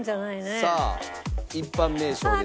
さあ一般名称です。